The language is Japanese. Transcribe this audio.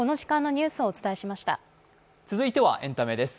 続いてはエンタメです。